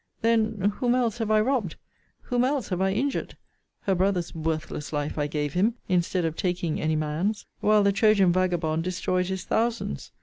Then, whom else have I robbed? Whom else have I injured? Her brother's worthless life I gave him, instead of taking any man's; while the Trojan vagabond destroyed his thousands.